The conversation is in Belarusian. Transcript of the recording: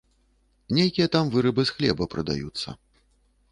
Нейкія там вырабы з хлеба прадаюцца.